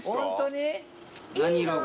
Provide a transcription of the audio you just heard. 何色が？